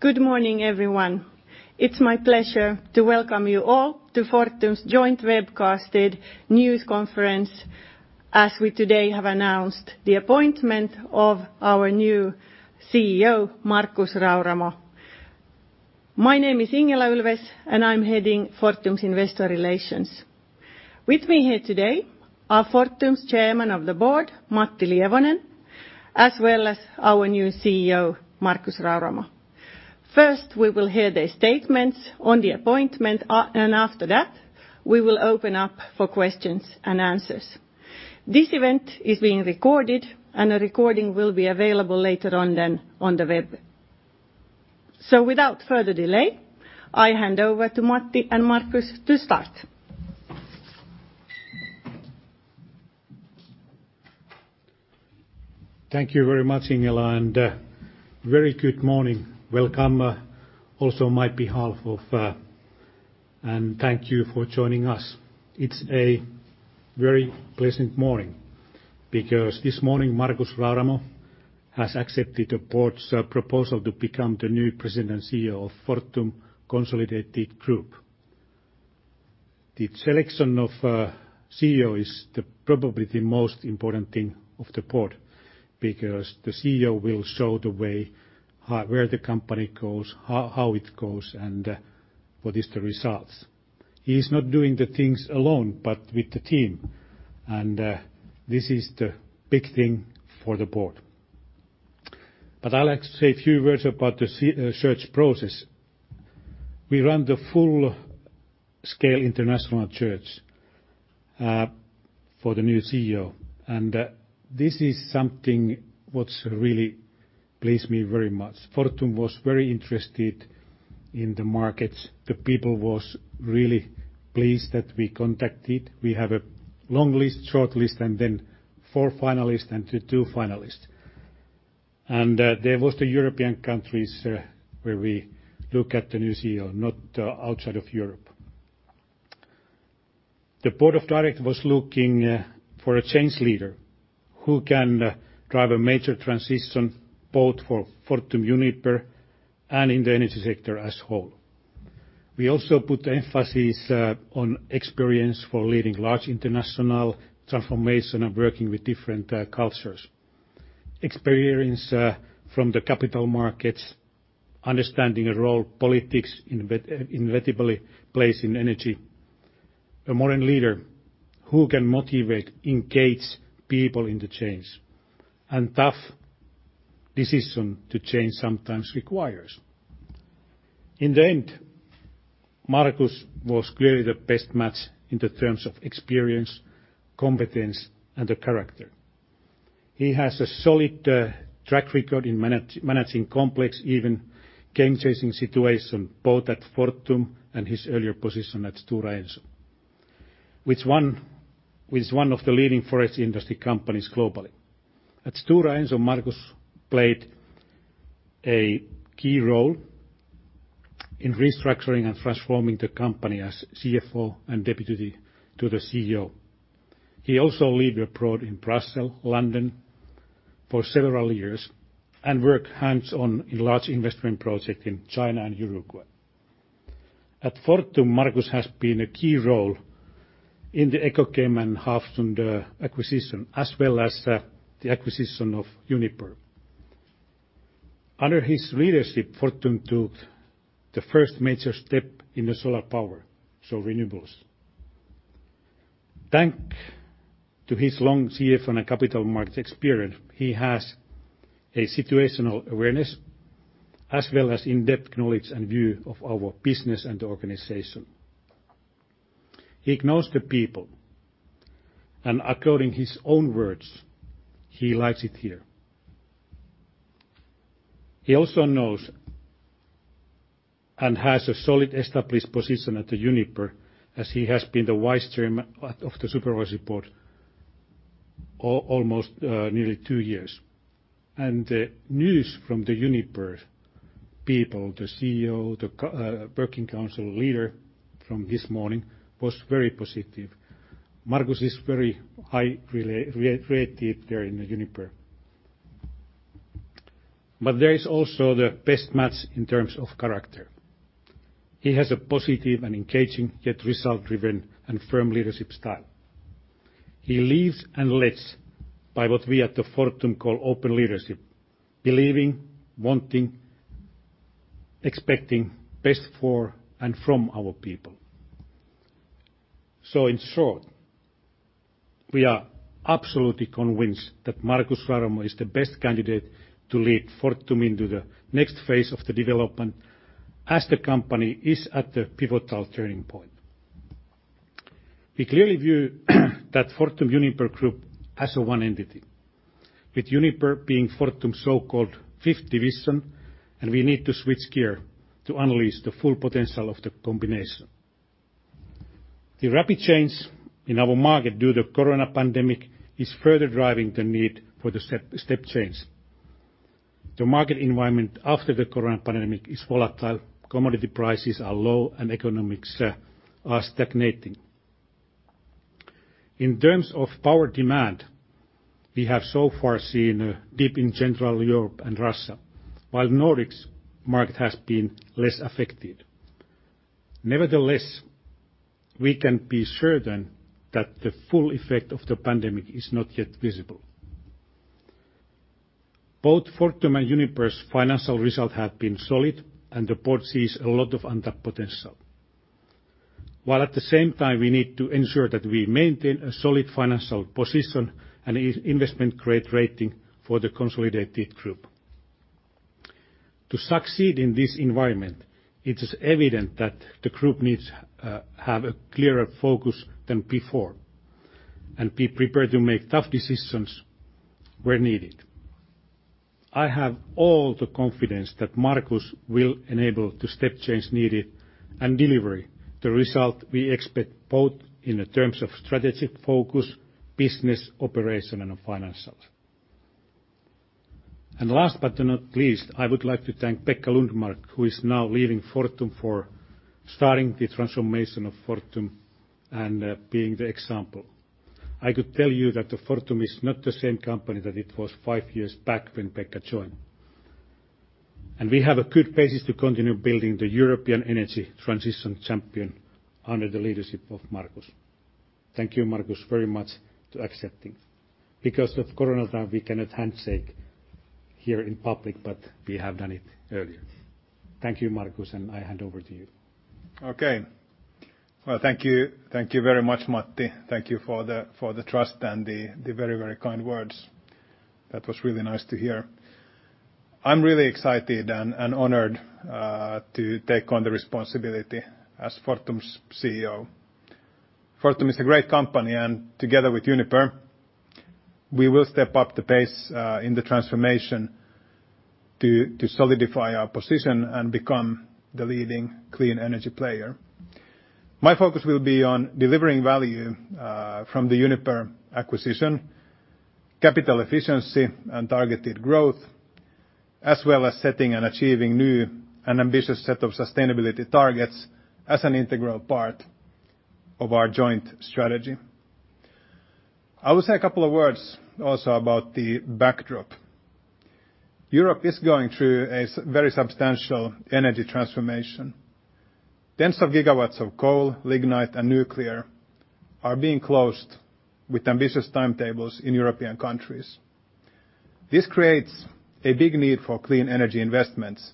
Good morning, everyone. It's my pleasure to welcome you all to Fortum's joint webcasted news conference, as we today have announced the appointment of our new CEO, Markus Rauramo. My name is Ingela Ulfves, and I am heading Fortum's investor relations. With me here today are Fortum's Chairman of the Board, Matti Lievonen, as well as our new CEO, Markus Rauramo. First, we will hear their statements on the appointment, and after that, we will open up for questions and answers. This event is being recorded, and a recording will be available later on, then, on the web. Without further delay, I hand over to Matti and Markus to start. Thank you very much, Ingela, and very good morning. Welcome also on my behalf, and thank you for joining us. It's a very pleasant morning because this morning, Markus Rauramo has accepted the board's proposal to become the new President and CEO of Fortum Consolidated Group. The selection of CEO is probably the most important thing of the board, because the CEO will show the way, where the company goes, how it goes, and what is the results. He is not doing the things alone, but with the team, and this is the big thing for the board. I will say a few words about the search process. We ran the full-scale international search for the new CEO, and this is something what's really pleased me very much. Fortum was very interested in the markets. The people was really pleased that we contacted. We have a long list, short list, and then four finalists, and the two finalists. There was the European countries where we look at the new CEO, not outside of Europe. The board of directors was looking for a change leader who can drive a major transition, both for Fortum, Uniper, and in the energy sector as whole. We also put emphasis on experience for leading large international transformation and working with different cultures. Experience from the capital markets, understanding the role politics inevitably plays in energy. A modern leader who can motivate, engage people in the change, and tough decision to change sometimes requires. In the end, Markus was clearly the best match in the terms of experience, competence, and the character. He has a solid track record in managing complex, even game-changing situation, both at Fortum and his earlier position at Stora Enso, which is one of the leading forest industry companies globally. At Stora Enso, Markus played a key role in restructuring and transforming the company as CFO and deputy to the CEO. He also lead abroad in Brussels, London for several years and work hands-on in large investment project in China and Uruguay. At Fortum, Markus has been a key role in the Ekokem and Hafslund acquisition, as well as the acquisition of Uniper. Under his leadership, Fortum took the first major step in the solar power, so renewables. Thanks to his long CFO and capital markets experience, he has a situational awareness as well as in-depth knowledge and view of our business and the organization. He knows the people, and according his own words, he likes it here. He also knows and has a solid established position at the Uniper, as he has been the vice chairman of the Uniper Supervisory Board almost nearly two years. The news from the Uniper people, the CEO, the working council leader from this morning, was very positive. Markus is very high rated there in the Uniper. There is also the best match in terms of character. He has a positive and engaging, yet result-driven and firm leadership style. He leads and lets by what we at the Fortum call open leadership, believing, wanting, expecting best for and from our people. In short, we are absolutely convinced that Markus Rauramo is the best candidate to lead Fortum into the next phase of the development as the company is at the pivotal turning point. We clearly view that Fortum Uniper Group as a one entity, with Uniper being Fortum's so-called fifth division, and we need to switch gear to unleash the full potential of the combination. The rapid change in our market due to corona pandemic is further driving the need for the step change. The market environment after the corona pandemic is volatile, commodity prices are low, and economics are stagnating. In terms of power demand, we have so far seen a dip in Central Europe and Russia, while Nordics market has been less affected. Nevertheless, we can be certain that the full effect of the pandemic is not yet visible. Both Fortum and Uniper's financial result have been solid, and the board sees a lot of untapped potential. While at the same time, we need to ensure that we maintain a solid financial position and investment-grade rating for the consolidated group. To succeed in this environment, it is evident that the group needs to have a clearer focus than before and be prepared to make tough decisions where needed. I have all the confidence that Markus will enable the step change needed and deliver the result we expect, both in terms of strategic focus, business operation, and financial. Last but not least, I would like to thank Pekka Lundmark, who is now leaving Fortum, for starting the transformation of Fortum and being the example. I could tell you that Fortum is not the same company that it was five years back when Pekka joined. We have a good basis to continue building the European energy transition champion under the leadership of Markus. Thank you, Markus, very much to accepting. Because of corona, we cannot handshake here in public, but we have done it earlier. Thank you, Markus, and I hand over to you. Okay. Well, thank you. Thank you very much, Matti. Thank you for the trust and the very kind words. That was really nice to hear. I am really excited and honored to take on the responsibility as Fortum's CEO. Fortum is a great company, and together with Uniper, we will step up the pace in the transformation to solidify our position and become the leading clean energy player. My focus will be on delivering value from the Uniper acquisition, capital efficiency and targeted growth, as well as setting and achieving new and ambitious set of sustainability targets as an integral part of our joint strategy. I will say a couple of words also about the backdrop. Europe is going through a very substantial energy transformation. Tens of gigawatts of coal, lignite, and nuclear are being closed with ambitious timetables in European countries. This creates a big need for clean energy investments,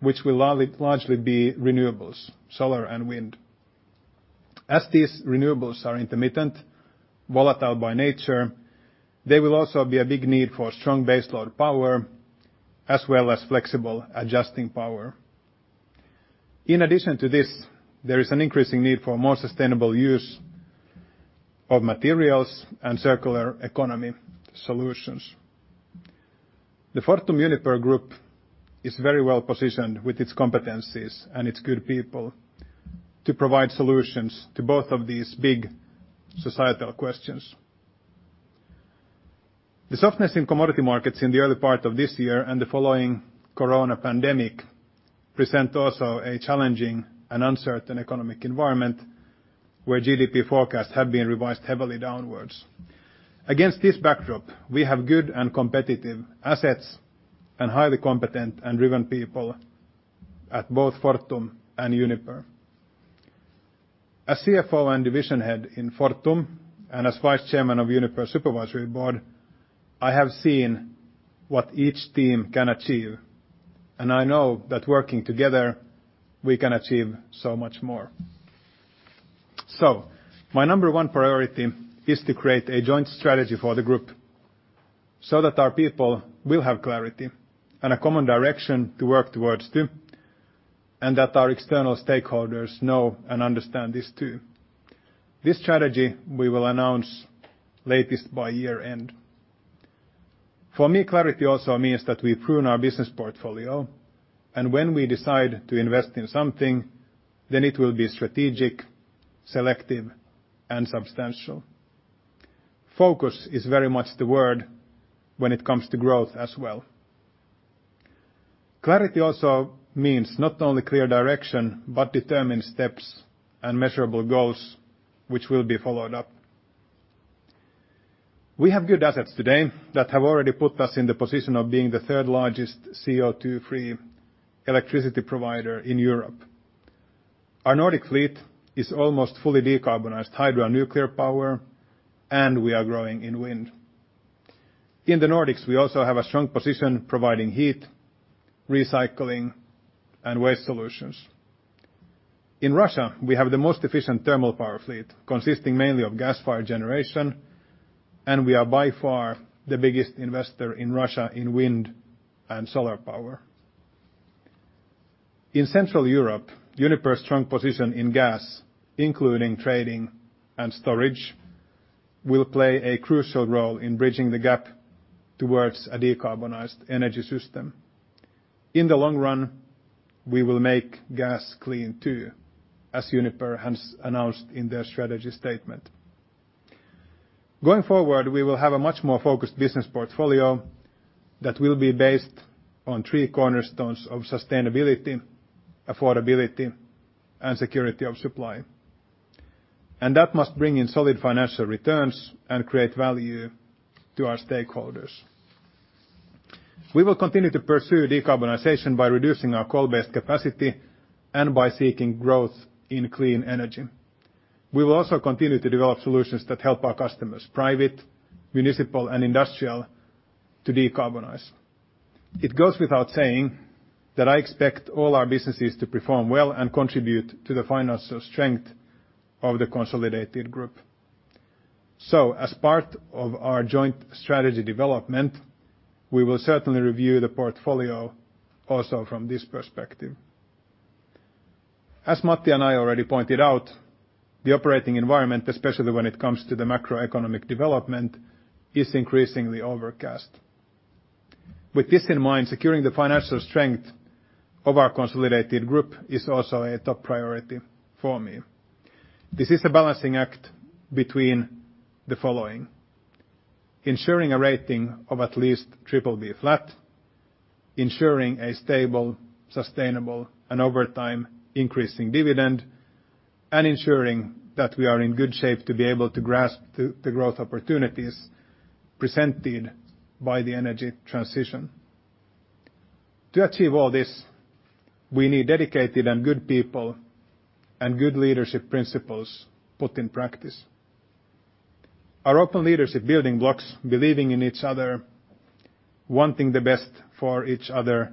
which will largely be renewables, solar and wind. As these renewables are intermittent, volatile by nature, there will also be a big need for strong base load power, as well as flexible adjusting power. In addition to this, there is an increasing need for more sustainable use of materials and circular economy solutions. The Fortum-Uniper group is very well-positioned with its competencies and its good people to provide solutions to both of these big societal questions. The softness in commodity markets in the early part of this year and the following corona pandemic present also a challenging and uncertain economic environment where GDP forecasts have been revised heavily downwards. Against this backdrop, we have good and competitive assets and highly competent and driven people at both Fortum and Uniper. As CFO and division head in Fortum and as Vice Chairman of Uniper Supervisory Board, I have seen what each team can achieve, and I know that working together, we can achieve so much more. My number 1 priority is to create a joint strategy for the group so that our people will have clarity and a common direction to work towards too, and that our external stakeholders know and understand this too. This strategy we will announce latest by year-end. For me, clarity also means that we prune our business portfolio, and when we decide to invest in something, then it will be strategic, selective, and substantial. Focus is very much the word when it comes to growth as well. Clarity also means not only clear direction, but determined steps and measurable goals, which will be followed up. We have good assets today that have already put us in the position of being the third largest CO2-free electricity provider in Europe. Our Nordic fleet is almost fully decarbonized hydro and nuclear power, and we are growing in wind. In the Nordics, we also have a strong position providing heat, recycling, and waste solutions. In Russia, we have the most efficient thermal power fleet, consisting mainly of gas-fired generation, and we are by far the biggest investor in Russia in wind and solar power. In Central Europe, Uniper's strong position in gas, including trading and storage, will play a crucial role in bridging the gap towards a decarbonized energy system. In the long run, we will make gas clean too, as Uniper has announced in their strategy statement. Going forward, we will have a much more focused business portfolio. That will be based on three cornerstones of sustainability, affordability, and security of supply. That must bring in solid financial returns and create value to our stakeholders. We will continue to pursue decarbonization by reducing our coal-based capacity and by seeking growth in clean energy. We will also continue to develop solutions that help our customers, private, municipal, and industrial, to decarbonize. It goes without saying that I expect all our businesses to perform well and contribute to the financial strength of the consolidated Group. As part of our joint strategy development, we will certainly review the portfolio also from this perspective. As Matti and I already pointed out, the operating environment, especially when it comes to the macroeconomic development, is increasingly overcast. With this in mind, securing the financial strength of our consolidated Group is also a top priority for me. This is a balancing act between the following, ensuring a rating of at least BBB-, ensuring a stable, sustainable, and over time increasing dividend, and ensuring that we are in good shape to be able to grasp the growth opportunities presented by the energy transition. To achieve all this, we need dedicated and good people and good leadership principles put in practice. Our open leadership building blocks, believing in each other, wanting the best for each other,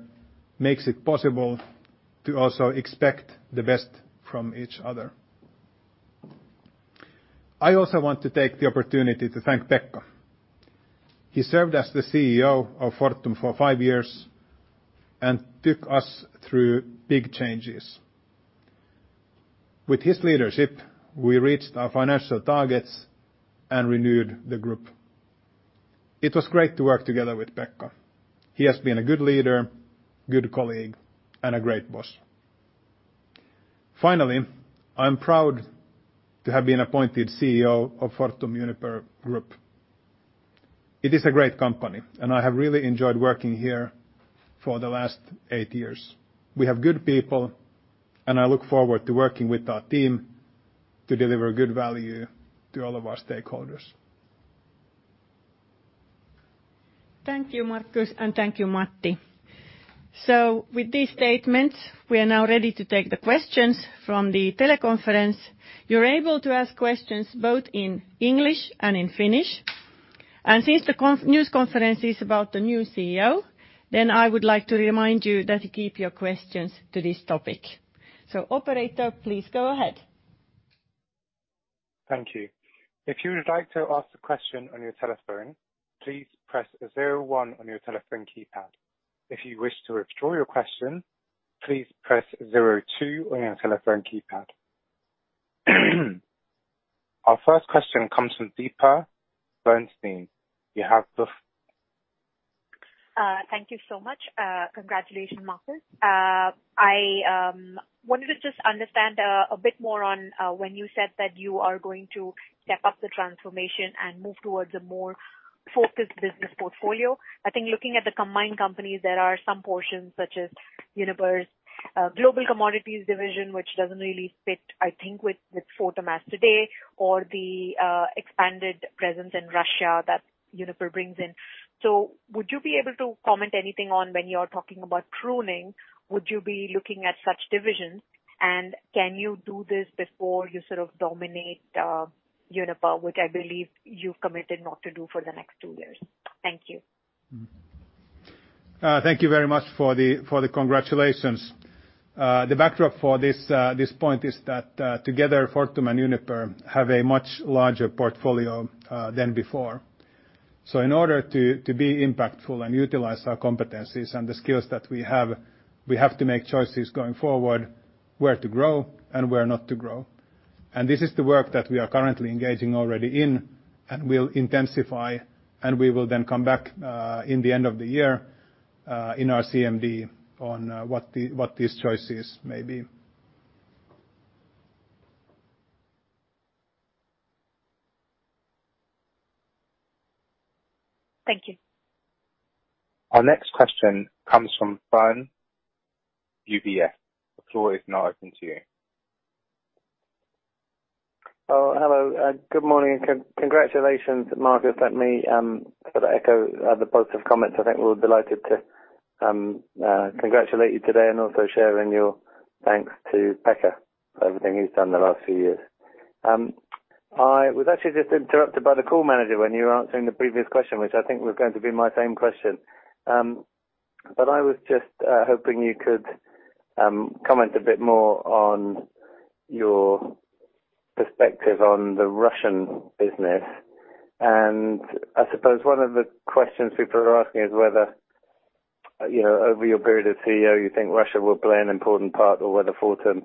makes it possible to also expect the best from each other. I also want to take the opportunity to thank Pekka. He served as the CEO of Fortum for five years and took us through big changes. With his leadership, we reached our financial targets and renewed the Group. It was great to work together with Pekka. He has been a good leader, good colleague, and a great boss. Finally, I'm proud to have been appointed CEO of Fortum Uniper Group. It is a great company, and I have really enjoyed working here for the last eight years. We have good people, and I look forward to working with our team to deliver good value to all of our stakeholders. Thank you, Markus, and thank you, Matti. With these statements, we are now ready to take the questions from the teleconference. You are able to ask questions both in English and in Finnish. Since the news conference is about the new CEO, then I would like to remind you that you keep your questions to this topic. Operator, please go ahead. Thank you. If you would like to ask a question on your telephone, please press zero one on your telephone keypad. If you wish to withdraw your question, please press zero two on your telephone keypad. Our first question comes from Deepa Venkateswaran. You have the floor. Thank you so much. Congratulations, Markus. I wanted to just understand a bit more on when you said that you are going to step up the transformation and move towards a more focused business portfolio. I think looking at the combined companies, there are some portions such as Uniper's Global Commodities division, which doesn't really fit, I think, with Fortum as today or the expanded presence in Russia that Uniper brings in. Would you be able to comment anything on when you are talking about pruning, would you be looking at such divisions? Can you do this before you sort of dominate Uniper, which I believe you've committed not to do for the next two years? Thank you. Thank you very much for the congratulations. The backdrop for this point is that together, Fortum and Uniper have a much larger portfolio than before. In order to be impactful and utilize our competencies and the skills that we have, we have to make choices going forward, where to grow and where not to grow. This is the work that we are currently engaging already in and will intensify, and we will then come back in the end of the year, in our CMD on what these choices may be. Thank you. Our next question comes from Bern, UBS. The floor is now open to you. Hello. Good morning. Congratulations, Markus. Let me sort of echo the positive comments. I think we're delighted to congratulate you today and also share in your thanks to Pekka for everything he's done the last few years. I was actually just interrupted by the call manager when you were answering the previous question, which I think was going to be my same question. I was just hoping you could comment a bit more on your perspective on the Russian business. I suppose one of the questions people are asking is whether, over your period as CEO, you think Russia will play an important part or whether Fortum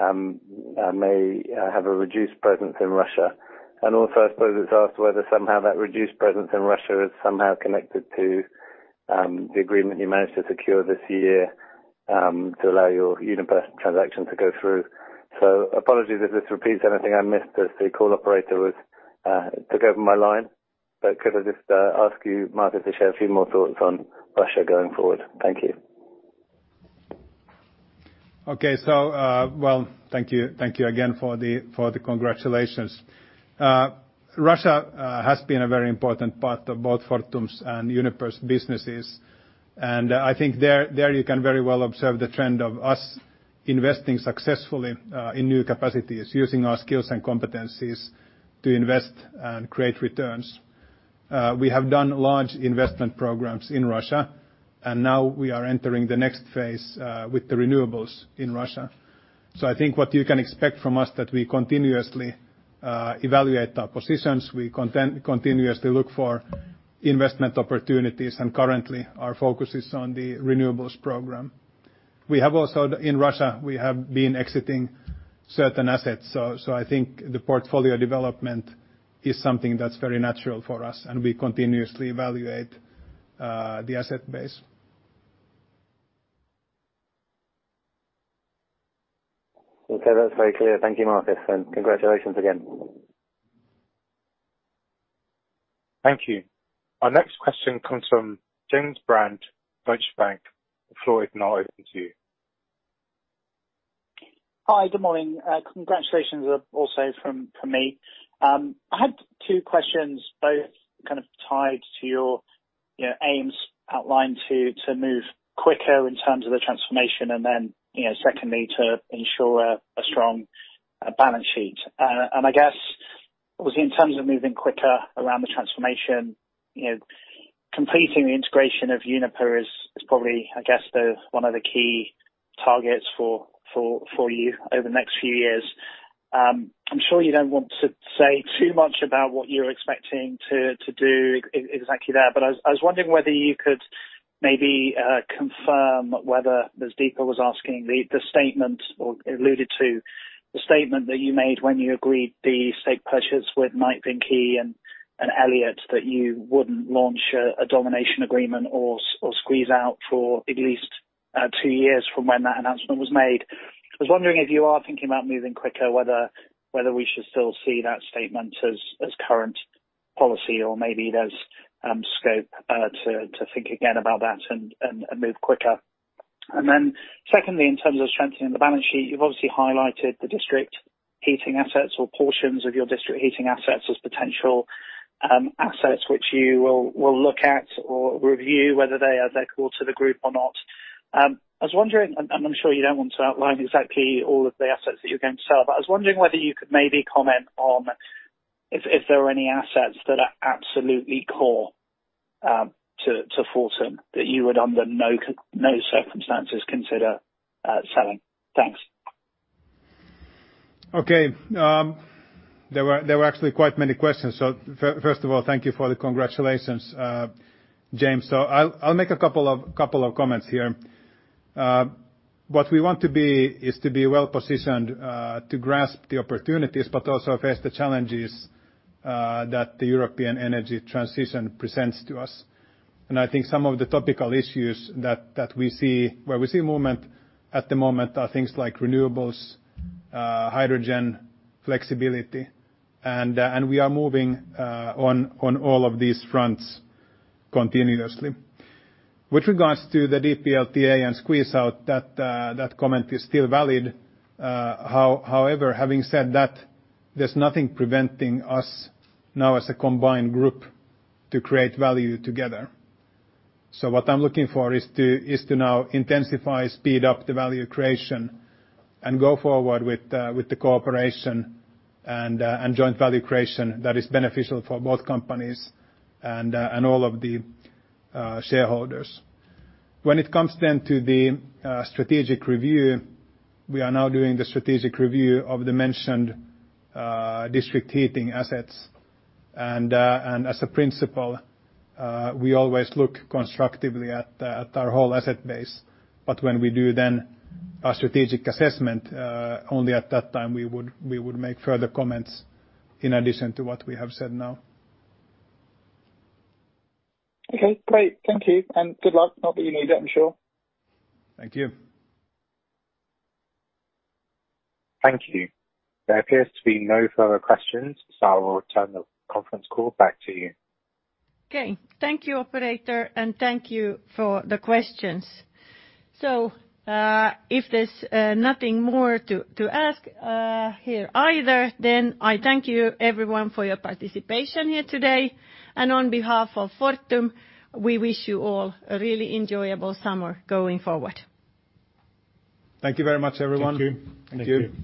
may have a reduced presence in Russia. Also, I suppose it's asked whether somehow that reduced presence in Russia is somehow connected to the agreement you managed to secure this year, to allow your Uniper transaction to go through. Apologies if this repeats anything I missed as the call operator was It took over my line. Could I just ask you, Mark, if you could share a few more thoughts on Russia going forward? Thank you. Well, thank you again for the congratulations. Russia has been a very important part of both Fortum's and Uniper's businesses, I think there you can very well observe the trend of us investing successfully in new capacities, using our skills and competencies to invest and create returns. We have done large investment programs in Russia, now we are entering the next phase with the renewables in Russia. I think what you can expect from us, that we continuously evaluate our positions, we continuously look for investment opportunities, currently, our focus is on the renewables program. In Russia, we have been exiting certain assets, I think the portfolio development is something that's very natural for us, we continuously evaluate the asset base. Okay. That's very clear. Thank you, Markus, and congratulations again. Thank you. Our next question comes from James Brand, Deutsche Bank. The floor is now open to you. Hi. Good morning. Congratulations also from me. I had two questions both kind of tied to your aims outlined to move quicker in terms of the transformation and then, secondly, to ensure a strong balance sheet. I guess, obviously, in terms of moving quicker around the transformation, completing the integration of Uniper is probably, I guess, one of the key targets for you over the next few years. I'm sure you don't want to say too much about what you're expecting to do exactly there, but I was wondering whether you could maybe confirm whether, as Deepa was asking, the statement or alluded to the statement that you made when you agreed the stake purchase with Mike Vinke and Elliott, that you wouldn't launch a domination agreement or squeeze out for at least two years from when that announcement was made. I was wondering, if you are thinking about moving quicker, whether we should still see that statement as current policy or maybe there's scope to think again about that and move quicker. Then secondly, in terms of strengthening the balance sheet, you've obviously highlighted the district heating assets or portions of your district heating assets as potential assets which you will look at or review whether they're core to the group or not. I'm sure you don't want to outline exactly all of the assets that you're going to sell, but I was wondering whether you could maybe comment on if there are any assets that are absolutely core to Fortum that you would under no circumstances consider selling. Thanks. First of all, thank you for the congratulations, James. I'll make a couple of comments here. What we want to be is to be well-positioned to grasp the opportunities but also face the challenges that the European energy transition presents to us. I think some of the topical issues where we see movement at the moment are things like renewables, hydrogen, flexibility, and we are moving on all of these fronts continuously. With regards to the DPLTA and squeeze-out, that comment is still valid. However, having said that, there's nothing preventing us now as a combined group to create value together. What I'm looking for is to now intensify, speed up the value creation, and go forward with the cooperation and joint value creation that is beneficial for both companies and all of the shareholders. When it comes then to the strategic review, we are now doing the strategic review of the mentioned district heating assets. As a principle, we always look constructively at our whole asset base. When we do then our strategic assessment, only at that time, we would make further comments in addition to what we have said now. Okay, great. Thank you, and good luck. Not that you need it, I'm sure. Thank you. Thank you. There appears to be no further questions. I will return the conference call back to you. Okay. Thank you, operator, and thank you for the questions. If there's nothing more to ask here either, I thank you everyone for your participation here today. On behalf of Fortum, we wish you all a really enjoyable summer going forward. Thank you very much, everyone. Thank you.